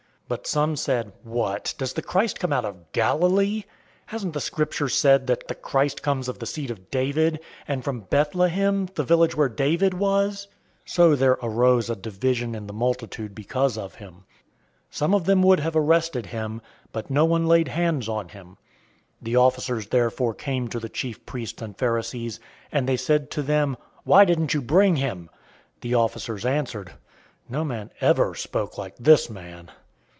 But some said, "What, does the Christ come out of Galilee? 007:042 Hasn't the Scripture said that the Christ comes of the seed of David,{2 Samuel 7:12} and from Bethlehem,{Micah 5:2} the village where David was?" 007:043 So there arose a division in the multitude because of him. 007:044 Some of them would have arrested him, but no one laid hands on him. 007:045 The officers therefore came to the chief priests and Pharisees, and they said to them, "Why didn't you bring him?" 007:046 The officers answered, "No man ever spoke like this man!"